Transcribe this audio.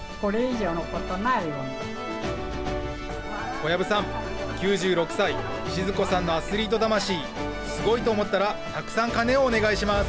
小籔さん９６歳静子さんのアスリート魂すごいと思ったらたくさん鐘をお願いします。